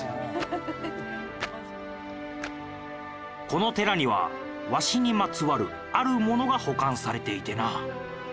この寺にはわしにまつわるあるものが保管されていてな。